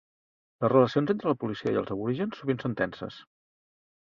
Les relacions entre la policia i els aborígens sovint són tenses.